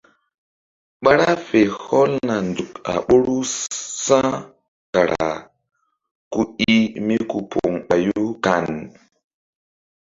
Ɓa ra fe hɔlna nzuk a ɓoru sa̧kara ku i míku poŋ ɓayu kan.